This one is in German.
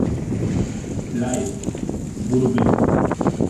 Bleib, wo du bist!